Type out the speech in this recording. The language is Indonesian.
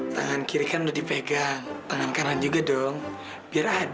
tangan kiri kan udah dipegang tangan kanan juga dong biar ada